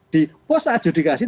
di post adjudikasi